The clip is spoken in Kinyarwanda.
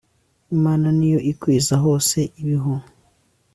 imana ni yo ikwiza hose ibihu